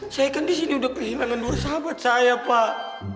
saya kan di sini udah kehilangan dua sahabat saya pak